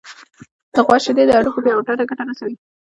د غوا شیدې د هډوکو پیاوړتیا ته ګټه رسوي.